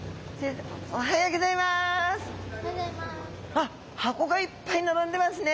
あっ箱がいっぱい並んでますね。